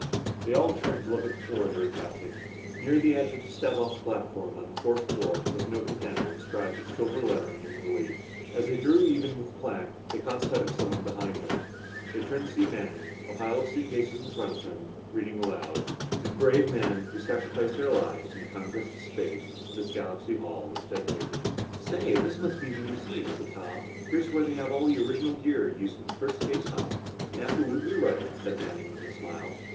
They all turned to look at the floor they were passing. Near the edge of the step off platform on the fourth floor was an oaken panel, inscribed with silver lettering in relief. As they drew even with the plaque, they caught sight of someone behind them. They turned to see Manning, the pile of suitcases in front of him, reading aloud. "... to the brave men who sacrificed their lives in the conquest of space, this Galaxy Hall is dedicated...." "Say, this must be the museum," said Tom. "Here's where they have all the original gear used in the first space hops." "Absolutely right," said Manning with a smile.